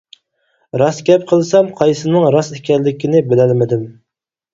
راست گەپ قىلسام، قايسىنىڭ راست ئىكەنلىكىنى بىلەلمىدىم.